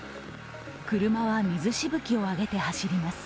車は水しぶきを上げて走ります。